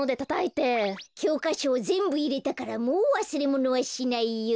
きょうかしょをぜんぶいれたからもうわすれものはしないよ。